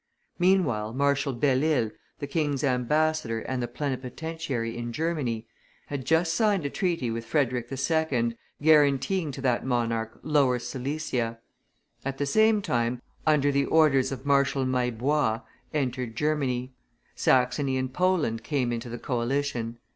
Meanwhile Marshal Belle Isle, the King's ambassador and plenipotentiary in Germany, had just signed a treaty with Frederick II., guaranteeing to that monarch Lower Silesia. At the same time, a second French army, under the orders of Marshal Maillebois, entered Germany; Saxony and Poland came into the coalition.